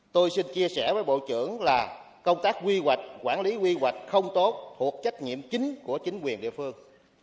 tôi xin chia sẻ với bộ trưởng là công tác quy hoạch quản lý quy hoạch không tốt thuộc trách nhiệm chính của chính quyền địa phương